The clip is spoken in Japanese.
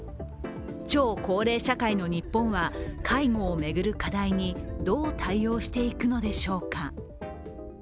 超高齢社会の日本は介護を巡る課題にどう対応していくのでしょうか。